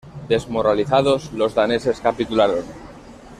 Desmoralizados, los daneses capitularon.